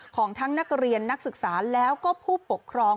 ของทั้งนักเรียนนักศึกษาแล้วก็ผู้ปกครอง